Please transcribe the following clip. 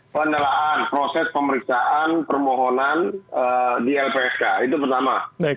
pendalaan proses pemeriksaan permohonan di lpsk itu pertama